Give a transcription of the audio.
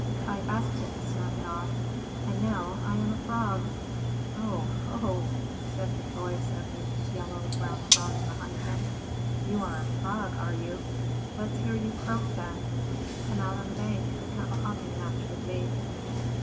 "I asked him to snap it off, and now I am a Frog!" "Oho!" said the voice of the Yellow Brown Frog behind him. "You are a Frog, are you? Let's hear you croak then. Come out on the bank and have a hopping match with me."